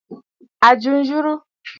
À jɨ nyurə.